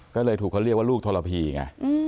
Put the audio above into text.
ก็เลยถูกเขาเรียกว่าลูกทรพีไง